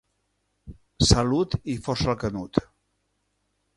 Salut i força al canut.